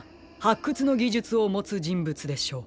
くつのぎじゅつをもつじんぶつでしょう。